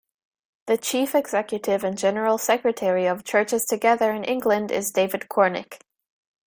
The chief executive and general secretary of Churches Together in England is David Cornick.